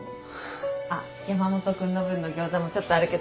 あっ山本君の分のギョーザもちょっとあるけど食べる？